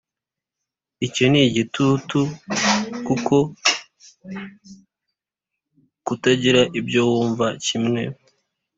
icyo nigitutu kuko kutagira ibyo wumva kimwe